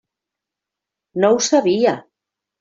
No ho sabia.